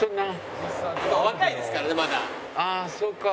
ああそうか。